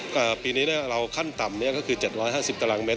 ก็ปีนี้เราขั้นต่ำนี้ก็คือ๗๕๐ตารางเมต